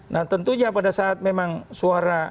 nah tentunya pada saat memang suara